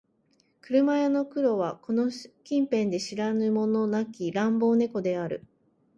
車屋の黒はこの近辺で知らぬ者なき乱暴猫である